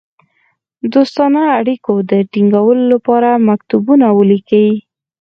دوستانه اړېکو د تینګولو لپاره مکتوبونه ولیکي.